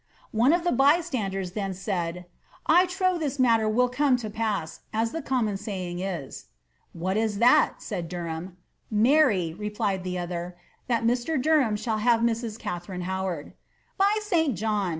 S8T One of the bystanders then said, ^ I trow this matter will come to pass, as the common saying is." «« What is that ?" said Derham. ■* Marry,'' replied the other, ^ that Mr. Derham shall have Mrs. Ka tharine Howard.'' <^By St. John."'